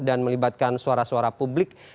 dan melibatkan suara suara publik